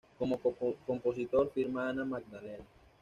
Como compositor firma Ana Magdalena.